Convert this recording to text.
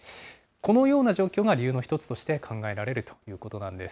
このような状況が理由の１つとして考えられるということなんです。